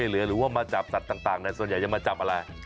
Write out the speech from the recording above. หรือว่ามาจับสัตว์ต่างส่วนใหญ่จะมาจับอะไร